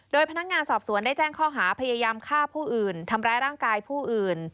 โดยพนักงานสอบสวนได้แจ้งข้อหาพยายามฆ่าผู้อื่นทำร้ายร่างกายผู้อื่น